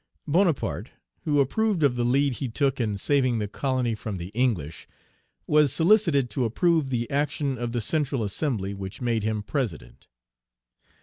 Bonaparte, who approved of the lead he took in saving the colony from the English, was solicited to approve the action of the Central Assembly which made him President.